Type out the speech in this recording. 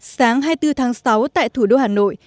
sáng hai mươi bốn tháng sáu tại thủ đô hà nội